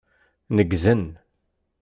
Neggzen.